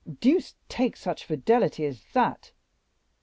Deuce take such fidelity as that!